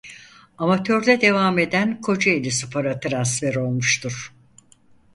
Amatörde devam eden kocaelispora transfer olmuştur.